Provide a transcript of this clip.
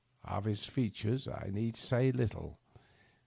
Of his . features I need say little.